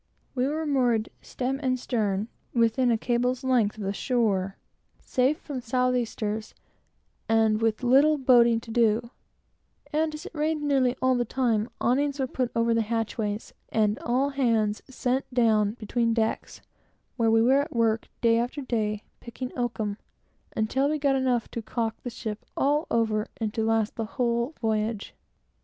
We were moored, stem and stern, within a cable's length of the shore, safe from south easters, and with very little boating to do; and as it rained nearly all the time, awnings were put over the hatchways, and all hands sent down between decks, where we were at work, day after day, picking oakum, until we got enough to caulk the ship all over, and to last the whole voyage.